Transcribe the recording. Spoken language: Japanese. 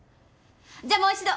じゃあもう一度。